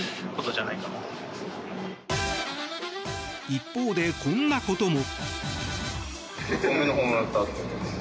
一方で、こんなことも。